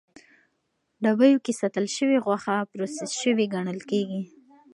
ډبیو کې ساتل شوې غوښه پروسس شوې ګڼل کېږي.